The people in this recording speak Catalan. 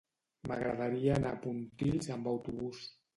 M'agradaria anar a Pontils amb autobús.